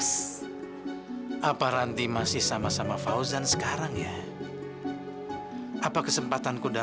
sampai jumpa di video selanjutnya